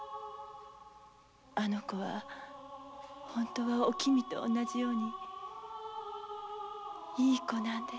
あの子は本当はお君と同じようにいい子なんです。